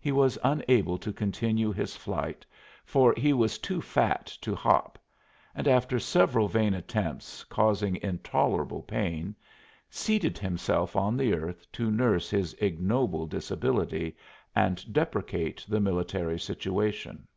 He was unable to continue his flight, for he was too fat to hop, and after several vain attempts, causing intolerable pain, seated himself on the earth to nurse his ignoble disability and deprecate the military situation.